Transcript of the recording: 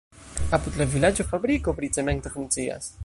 Apud la vilaĝo fabriko pri cemento funkcias.